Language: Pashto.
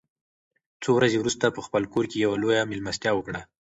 څو ورځې وروسته ده په خپل کور کې یوه لویه مېلمستیا وکړه.